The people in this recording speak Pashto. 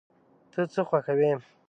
ته څه خوښوې؟